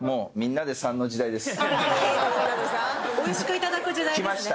おいしくいただく時代ですね。